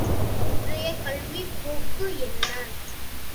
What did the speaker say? இன்றைய கல்விப் போக்கு என்ன?